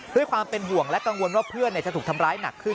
ด้วยความเป็นห่วงและกังวลว่าเพื่อนจะถูกทำร้ายหนักขึ้น